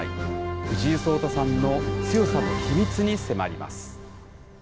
藤井聡太さんの強さの秘密に迫ります。